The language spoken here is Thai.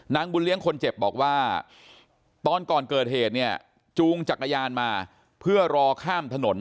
บุญเลี้ยงคนเจ็บบอกว่าตอนก่อนเกิดเหตุเนี่ยจูงจักรยานมาเพื่อรอข้ามถนน